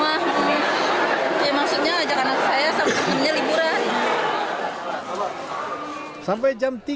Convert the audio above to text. ya maksudnya ajak anak saya sampai sepenuhnya